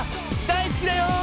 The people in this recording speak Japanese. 大好きだよ！